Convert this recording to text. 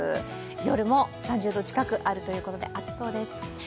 夜も３０度近くあるということで、暑そうです。